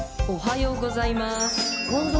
おはようございます。